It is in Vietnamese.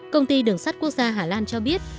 công ty đường sắt quốc gia hà lan cho biết